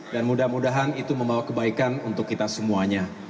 dan mudah mudahan itu membawa kebaikan untuk kita semuanya